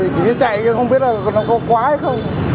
chỉ biết chạy chứ không biết là nó có quá hay không